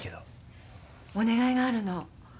お願いがあるの。